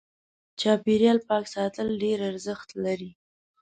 چاپېريال پاک ساتل ډېر ارزښت لري.